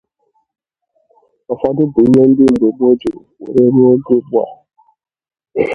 Ụfọdụ bụ ihe ndị mgbe gboo jiri were ruo oge ugbua.